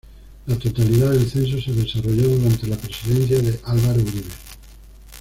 La totalidad del censo se desarrolló durante la presidencia de Álvaro Uribe.